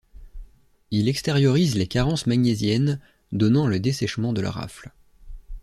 Il extériorise les carences magnésiennes, donnant le dessèchement de la rafle.